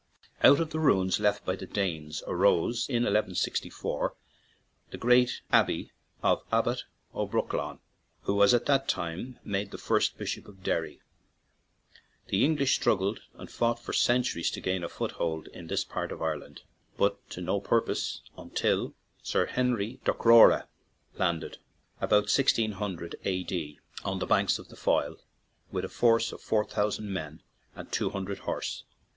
Out of the ruins left by the Danes arose in 1 164 the "Great Abbey of Abbot O'Brolchain/' who was at that time made the first bishop of Derry. The Eng lish struggled and fought for centuries to gain a foothold in this part of Ireland, but to no purpose until Sir Henry Docrora landed, about 1600 A.D., on the banks of the Foyle with a force of four thousand men and two hundred horse.